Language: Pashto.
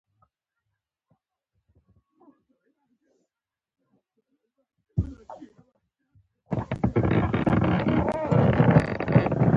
ازبکستان سره ګډه سوداګريزه هوکړه لاسلیک شوه